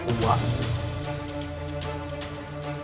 pendekar pendekar pilihan uar